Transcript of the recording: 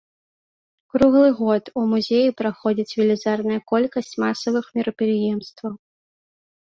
Круглы год у музеі праходзіць велізарная колькасць масавых мерапрыемстваў.